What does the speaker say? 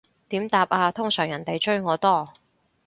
點答啊，通常人哋追我多